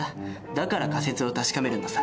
だから仮説を確かめるのさ。